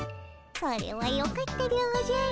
それはよかったでおじゃる。